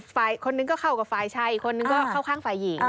คนนึงก็เข้ากับฝ่ายชายอีกคนนึงก็เข้าข้างฝ่ายหญิง